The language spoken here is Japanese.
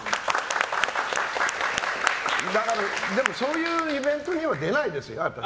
でもそういうイベントには出ないですよ、私。